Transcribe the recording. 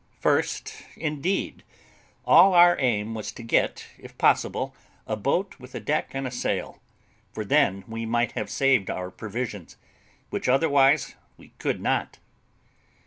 First, indeed, all our aim was to get, if possible, a boat with a deck and a sail; for then we might have saved our provisions, which otherwise we could not.